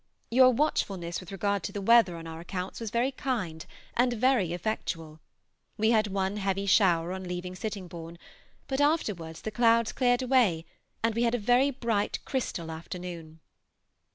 Your watchfulness with regard to the weather on our accounts was very kind and very effectual. We had one heavy shower on leaving Sittingbourne, but afterwards the clouds cleared away, and we had a very bright chrystal afternoon.